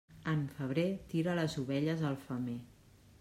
En febrer, tira les ovelles al femer.